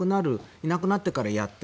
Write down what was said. いなくなってからやって。